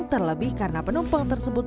terlebih karena penumpang tersebut